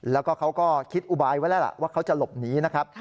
แล้วก็เขาก็คิดอุบายไว้แล้วล่ะว่าเขาจะหลบหนีนะครับ